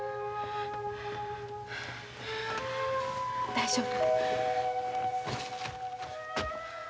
大丈夫？